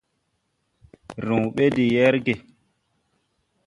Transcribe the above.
Rɔ́b ɓɛ̀n de yɛrgɛ̀.